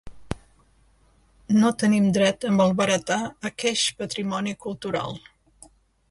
No tenim dret a malbaratar aqueix patrimoni cultural.